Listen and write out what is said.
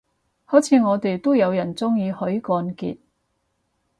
好似我哋都有人鍾意許冠傑